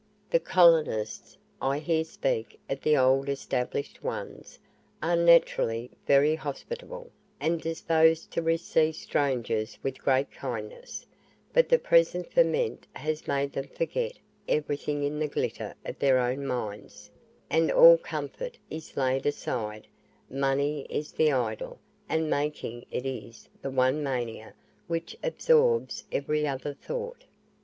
The colonists (I here speak of the old established ones) are naturally very hospitable, and disposed to receive strangers with great kindness; but the present ferment has made them forget everything in the glitter of their own mines, and all comfort is laid aside; money is the idol, and making it is the one mania which absorbs every other thought.